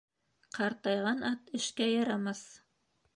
Ҡартайған ат эшкә ярамаҫ.